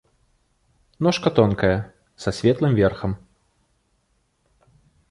Ножка тонкая, са светлым верхам.